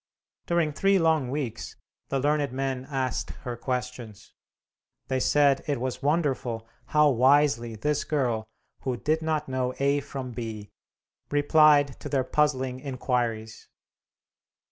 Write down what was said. During three long weeks the learned men asked her questions. They said it was wonderful how wisely this girl, who "did not know A from B," replied to their puzzling inquiries.